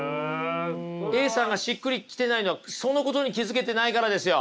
Ａさんがしっくり来てないのはそのことに気付けてないからですよ。